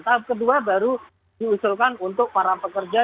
tahap kedua baru diusulkan untuk para pekerja